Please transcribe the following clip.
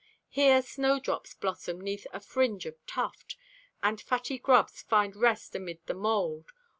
Here snowdrops blossom 'neath a fringe of tuft, And fatty grubs find rest amid the mold.